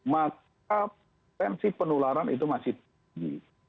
maka potensi penularan itu masih tinggi